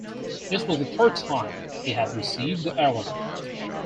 This was the third time he had received the award.